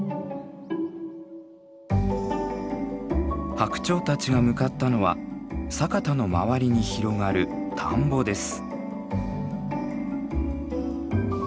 ハクチョウたちが向かったのは佐潟の周りに広がる田んぼです。